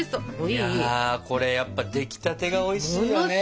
いやこれやっぱ出来立てがおいしいよね。